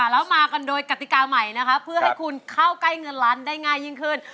แล้วมากันโดยกติกาใหม่นะคะเพื่อให้คุณเข้าใกล้เงินล้านได้ง่ายยิ่งขึ้น